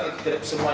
itu tidak semua